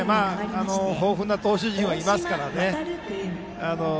豊富な投手陣がいますから。